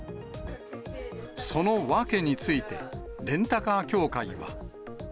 その訳について、レンタカー協会は。